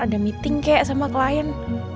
ada meeting kek sama klien